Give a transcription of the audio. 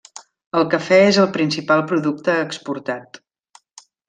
El cafè és el principal producte exportat.